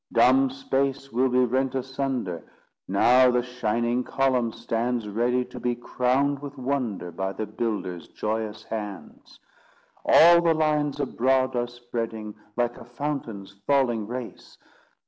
Dumb space will be rent asunder, Now the shining column stands Ready to be crowned with wonder By the builder's joyous hands. All the lines abroad are spreading, Like a fountain's falling race.